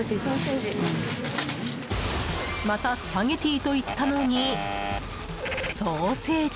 またスパゲティと言ったのにソーセージ。